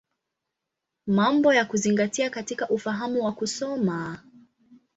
Mambo ya Kuzingatia katika Ufahamu wa Kusoma.